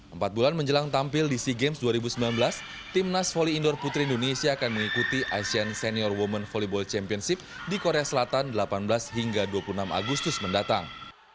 empat bulan menjelang tampil di sea games dua ribu sembilan belas timnas volley indoor putri indonesia akan mengikuti asean senior women volleball championship di korea selatan delapan belas hingga dua puluh enam agustus mendatang